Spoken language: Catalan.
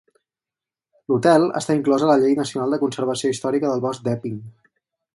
L'hotel està inclòs a la llei nacional de conservació històrica del bosc d'Epping.